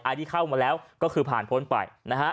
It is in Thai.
อันนี้เข้ามาแล้วก็คือผ่านพ้นไป